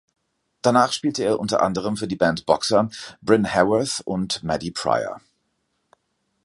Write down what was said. Danach spielte er unter anderem für die Band Boxer, Bryn Haworth und Maddy Prior.